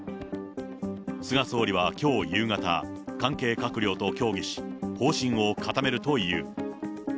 菅総理はきょう夕方、関係閣僚と協議し、方針を固めるという。